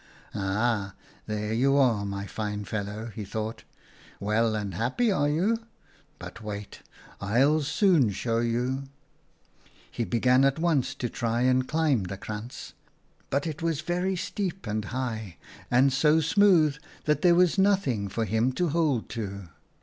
"'Ah! there you are, my fine fellow,' he thought. 'Well and happy are you? But wait, I'll soon show you !' "He began at once to try and climb the krantz, but it was very steep and high, and so smooth that there was nothing for him to hold to.